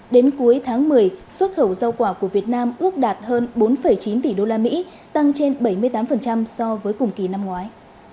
đến cuối tháng một mươi xuất khẩu rau quả của việt nam ước đạt hơn bốn chín tỷ usd tăng trên bảy mươi tám so với cùng kỳ năm ngoái